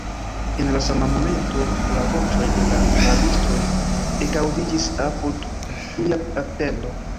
En la sama momento la voĉoj de la rabistoj ekaŭdiĝis apud ilia tendo.